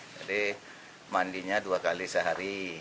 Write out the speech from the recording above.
jadi mandinya dua kali sehari